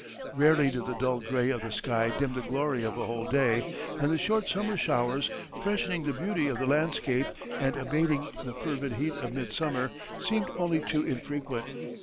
Rarely did the dull gray of the sky dim the glory of a whole day, and the short summer showers, freshening the beauty of the landscape and abating the fervid heat of mid summer, seemed only too infrequent.